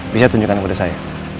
bisa tunjukkan kepada saya